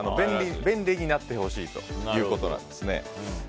便利になってほしいということなんですね。